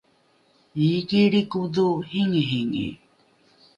iiki lrikodho ringiringi